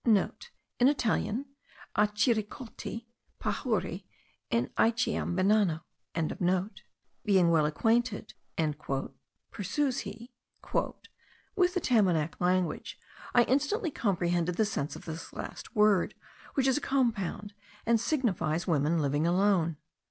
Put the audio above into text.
*(* In Italian, Acchirecolti, Pajuri, and Aicheam benano.) Being well acquainted," pursues he, "with the Tamanac tongue, I instantly comprehended the sense of this last word, which is a compound, and signifies women living alone.